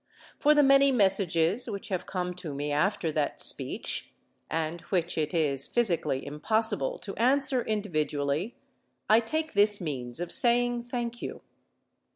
For the many messages which have come to me after that speech, and which it is physically impossible to answer individually, I take this means of saying "thank you."